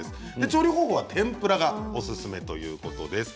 調理方法は天ぷらがオススメということです。